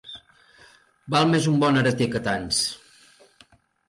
Val més un bon hereter que tants.